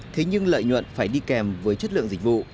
thế nhưng lợi nhuận phải đi kèm với chất lượng dịch vụ